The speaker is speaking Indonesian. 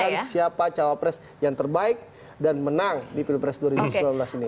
menentukan siapa cawapres yang terbaik dan menang di pilpres dua ribu sembilan belas ini